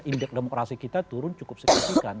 indeks demokrasi kita turun cukup signifikan